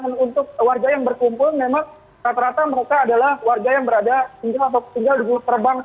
dan untuk warga yang berkumpul memang rata rata mereka adalah warga yang berada tinggal atau tinggal di belakang terbang